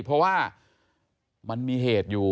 เพราะว่ามันมีเหตุอยู่